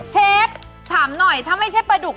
เช็คถามหน่อยถ้าไม่ใช่ปลาดุก